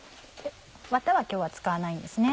ワタは今日は使わないですね。